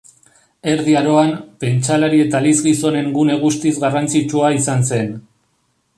Erdi Aroan, pentsalari eta elizgizonen gune guztiz garrantzitsua izan zen.